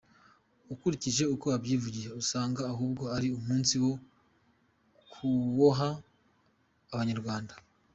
Ukurikije uko abyivugira usanga ahubwo ari umunsi wo kuboha Abanyarwanda.